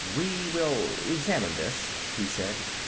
"We will examine this," he said.